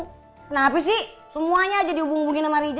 kenapa sih semuanya aja di hubungin sama riza